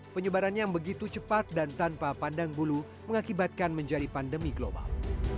penyebaran yang begitu cepat dan tanpa pandang bulu mengakibatkan menjadi pandemi global